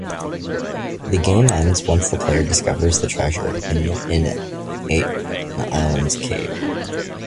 The game ends once the player discovers the treasure hidden in an island cave.